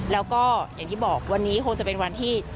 แล้วก็อย่างที่บอกวันนี้คงจะเป็นวันที่